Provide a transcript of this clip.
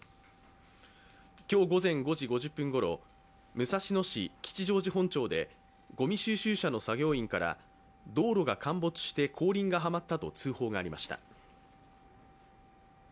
今日午前５時５０分ごろ、武蔵野市吉祥寺本町でごみ収集車の作業員から道路が陥没して後輪がはまったと通報がありました。